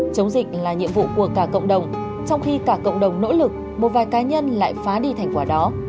chống dịch là nhiệm vụ của cả cộng đồng trong khi cả cộng đồng nỗ lực một vài cá nhân lại phá đi thành quả đó